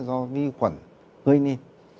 do vi khuẩn gây nên